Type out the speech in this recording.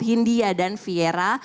hindia dan viera